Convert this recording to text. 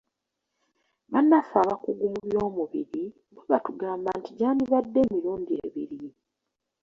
Bannaffe abakugu mu by'omubiri bo batugamba nti gyandibadde emilundi ebiri.